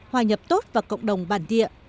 hòa nhập tốt vào cộng đồng bản địa